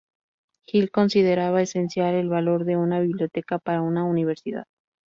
Hill consideraba esencial el valor de una biblioteca para una Universidad.